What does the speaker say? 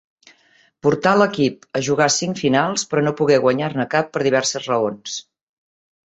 Portà l'equip a jugar cinc finals, però no pogué guanyar-ne cap per diverses raons.